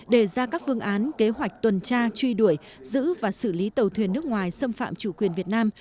đề ra các phương án kế hoạch tuần tra truy đuổi giữ và xử lý tàu thuyền nước ngoài xâm phạm chủ quyền việt nam